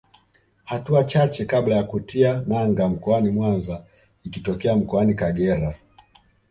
Hatua chache kabla ya kutia nanga mkoani Mwanza ikitokea Mkoani Kagera